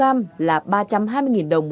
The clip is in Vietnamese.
các loại cá song là ba năm ba đồng một kg